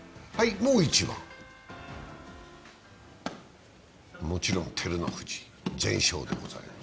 もちろん照ノ富士、全勝でございます。